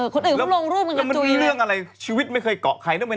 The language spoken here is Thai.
คือจริงเรื่องนี้ปกติพี่ใช้ไม่มีปัญหาในเมืองไทย